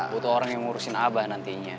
butuh orang yang ngurusin abah nantinya